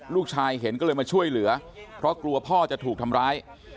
ลูกชายเห็นก็เลยมาช่วยเหลือเพราะกลัวพ่อจะถูกทำร้าย